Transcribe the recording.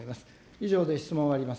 以上で質問を終わります。